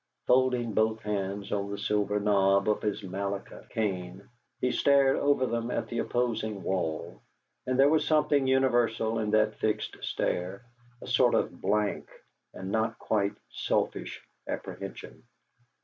Folding both hands on the silver knob of his Malacca cane, he stared over them at the opposing wall; and there was something universal in that fixed stare, a sort of blank and not quite selfish apprehension.